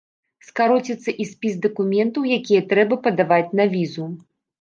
Скароціцца і спіс дакументаў, якія трэба падаваць на візу.